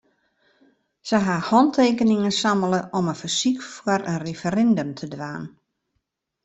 Sy ha hantekeningen sammele om in fersyk foar in referindum te dwaan.